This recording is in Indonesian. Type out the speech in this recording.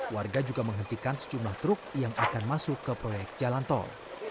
warga juga menghentikan sejumlah truk yang akan masuk ke proyek jalan tol